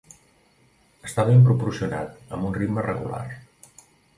Està ben proporcionat, amb un ritme regular.